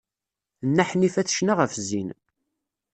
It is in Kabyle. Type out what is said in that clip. Nna Ḥnifa tecna ɣef zzin.